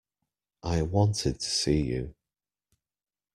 I wanted to see you.